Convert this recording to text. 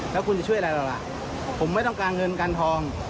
แล้วคุณจะช่วยอะไรเราล่ะผมไม่ต้องการเงินการทอง